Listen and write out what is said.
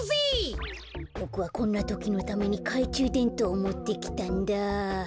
ボクはこんなときのためにかいちゅうでんとうをもってきたんだ。